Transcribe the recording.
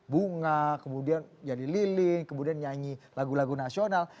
bunga kemudian jadi liling kemudian nyanyi lagu lagu nasional